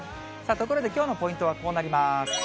ところで、きょうのポイントはこうなります。